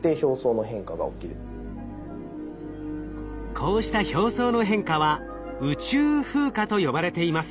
こうした表層の変化は「宇宙風化」と呼ばれています。